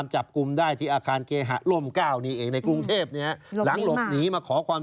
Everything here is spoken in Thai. ชัดกันลายกันนี่แหละครับ